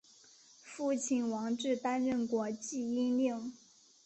父亲王志担任过济阴令。